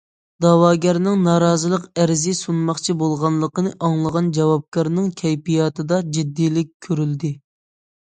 دەۋاگەرنىڭ نارازىلىق ئەرزى سۇنماقچى بولغانلىقىنى ئاڭلىغان جاۋابكارنىڭ كەيپىياتىدا جىددىيلىك كۆرۈلدى.